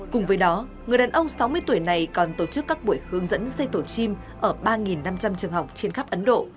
cùng với đó người đàn ông sáu mươi tuổi này còn tổ chức các buổi hướng dẫn xây tổ chim ở ba năm trăm linh trường học trên khắp ấn độ